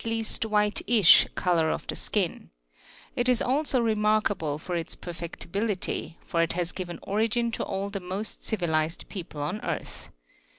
least, whitish color of the skin ; it is also remark able for its perfectibility, for it has given origin to all the most civilized people on earth.